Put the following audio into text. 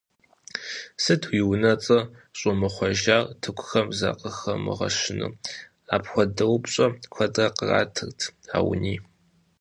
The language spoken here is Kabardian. – Сыт уи унэцӀэр щӀумыхъуэжар, тыркухэм закъыхыумыгъэщу? – апхуэдэ упщӀэ куэдрэ къратырт Ауни.